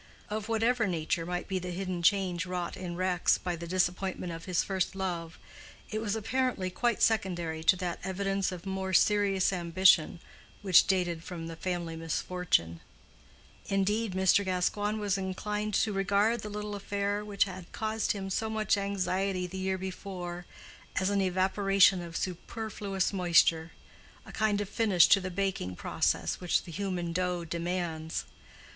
Of whatever nature might be the hidden change wrought in Rex by the disappointment of his first love, it was apparently quite secondary to that evidence of more serious ambition which dated from the family misfortune; indeed, Mr. Gascoigne was inclined to regard the little affair which had caused him so much anxiety the year before as an evaporation of superfluous moisture, a kind of finish to the baking process which the human dough demands.